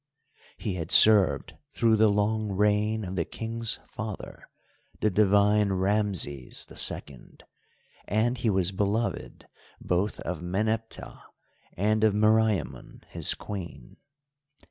He had served through the long reign of the King's father, the divine Rameses the Second, and he was beloved both of Meneptah and of Meriamun his Queen.